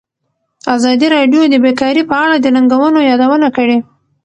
ازادي راډیو د بیکاري په اړه د ننګونو یادونه کړې.